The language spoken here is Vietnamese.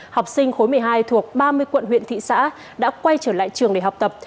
học sinh khối một mươi hai thuộc ba mươi quận huyện thị xã đã quay trở lại trường để học tập